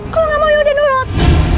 kalau gak mau yuk udah nurut